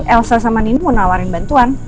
elsa sama nini mau nawarin bantuan